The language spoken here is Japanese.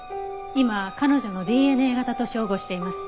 今彼女のＤＮＡ型と照合しています。